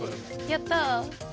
やった。